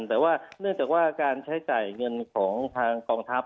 แต่ว่าเนื่องจากว่าการใช้จ่ายเงินของทางกองทัพ